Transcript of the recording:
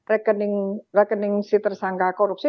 rekening si tersangka korupsi